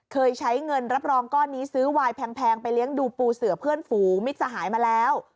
เคยใช้เงินรับรองก้อนนี้ซื้อวายแพงไปเลี้ยงดูปูเสือเพื่อนฝูมิตรสหายมาแล้ว